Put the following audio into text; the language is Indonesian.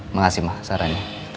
makasih ma sarannya